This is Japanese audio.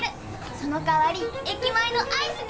そのかわり駅前のアイスね。